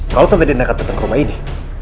kalo sampai dia neket ketengah rumah ini